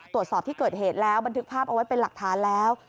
ตรวจสอบที่เกิดเหตุแล้วบันทึกภาพเอาไว้เป็นหลักฐานแล้ว